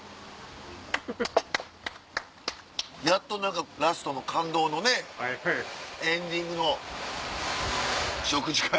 やっと何かラストの感動のねエンディングの食事会。